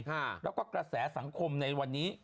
แล้วก็กระแสสังคมในวันนี้